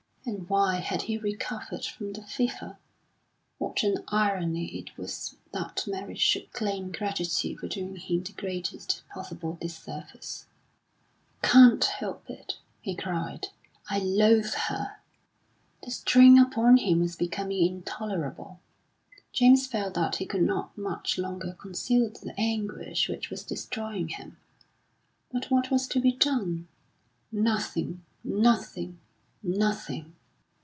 And why had he recovered from the fever? What an irony it was that Mary should claim gratitude for doing him the greatest possible disservice! "I can't help it," he cried; "I loathe her!" The strain upon him was becoming intolerable. James felt that he could not much longer conceal the anguish which was destroying him. But what was to be done? Nothing! Nothing! Nothing!